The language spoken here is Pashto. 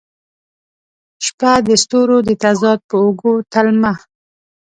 شپه د ستورو د تضاد په اوږو تلمه